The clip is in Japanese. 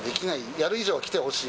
やる以上は来てほしい。